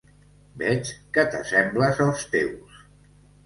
Veig que t'assembles als teus.